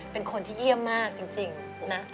เป็นคนที่เยี่ยมมากจริงนะ